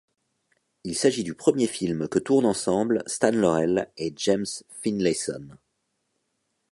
Il s'agit du premier film que tournent ensemble Stan Laurel et James Finlayson.